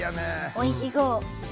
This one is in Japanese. おいしそう。